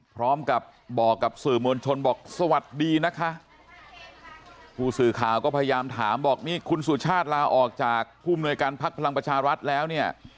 พร้อมกับบอกกับสื่อมวลชนบอกสวัสดีนะคะผู้สื่อข่าวก็พยายามถามบอกนี่คุณสุชาติลาออกจากผู้มนวยการพักพลังประชารัฐแล้วเนี่ย